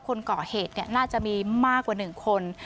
คนก่อเหตุน่าจะมีมากกว่า๑คน